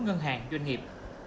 ngân hàng doanh nghiệp